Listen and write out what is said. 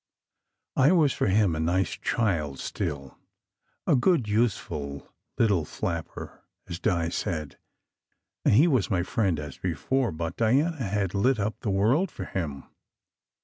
I was for him a nice child still a "good, useful little flapper," as Di said, and he was my friend as before; but Diana had lit up the world for him.